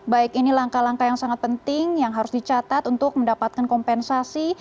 baik ini langkah langkah yang sangat penting yang harus dicatat untuk mendapatkan kompensasi